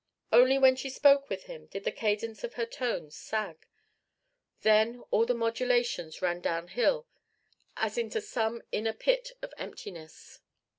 Only when she spoke with him did the cadence of her tones sag; then all the modulations ran downhill as into some inner pit of emptiness.